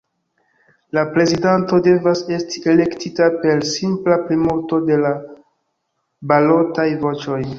La prezidanto devas esti elektita per simpla plimulto de la balotaj voĉoj.